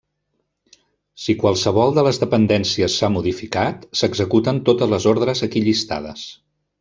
Si qualsevol de les dependències s'ha modificat, s'executen totes les ordres aquí llistades.